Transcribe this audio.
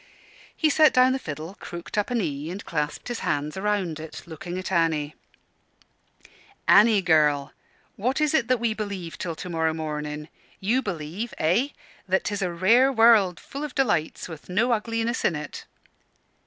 He set down the fiddle, crooked up a knee and clasped his hands round it, looking at Annie. "Annie, girl, what is it that we believe till to morrow morning? You believe eh? that 'tis a rare world, full of delights, and with no ugliness in it?"